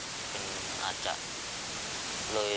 อาจจะเลยนดีกับวันหนึ่งมันก็เปลื่อย